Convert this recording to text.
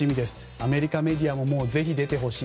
アメリカメディアもぜひ出てほしい。